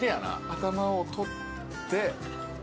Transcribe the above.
頭を取って。